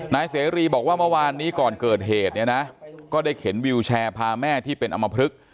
นายเสรีบอกว่าเมื่อวานนี้ก่อนเกิดเหตุเนี่ยนะก็ได้เข็นวิวแชร์พาแม่ที่เป็นอำมพลึก